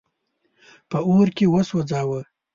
په اور کي وسوځاوه.